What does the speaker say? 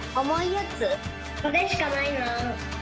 これしかないな。